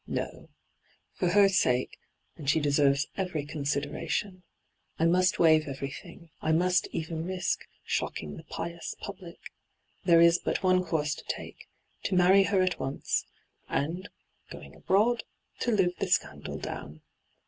No I For her sake — and she deserves every consideration — I must waive everything ; I most even risk shocking the pious public. .Th^e is but one course to take — ^to marry her at once, and, going abroad, to live the scandal down.